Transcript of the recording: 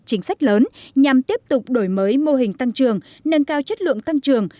chính sách lớn nhằm tiếp tục đổi mới mô hình tăng trường nâng cao chất lượng tăng trưởng